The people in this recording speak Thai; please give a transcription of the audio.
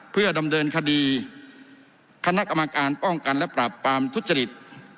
เพื่อดำเนินคดีคณะกรรมการป้องกันและปราบปรามทุจริต